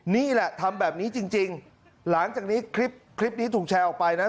นี่แหละทำแบบนี้จริงหลังจากนี้คลิปนี้ถูกแชร์ออกไปนะ